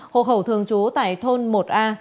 hộ khẩu thường trú tại thôn một a